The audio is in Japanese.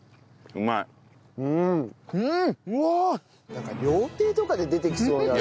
なんか料亭とかで出てきそうなさ。